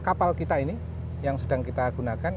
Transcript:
kapal kita ini yang sedang kita gunakan